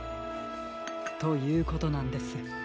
ということなんです。